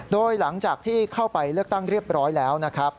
โดยหลังจากที่เข้าไปเลือกตั้งเรียบร้อยแล้วนะครับ